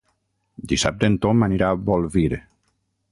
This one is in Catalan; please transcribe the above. Dissabte en Tom anirà a Bolvir.